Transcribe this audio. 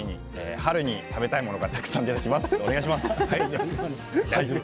春に食べたいものたくさん出てきます。